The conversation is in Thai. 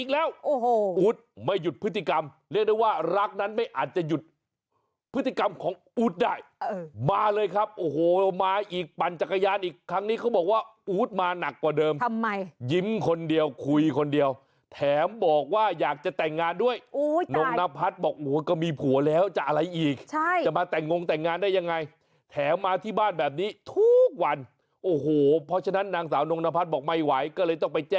แล้วทำไมเขากวางเรนเดียของคุณมันงองิงเล็กอย่างนั้นนะฮะ